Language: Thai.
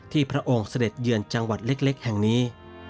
พระองค์เสด็จเยือนจังหวัดเล็กแห่งนี้